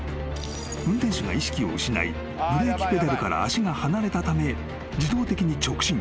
［運転手が意識を失いブレーキペダルから足が離れたため自動的に直進］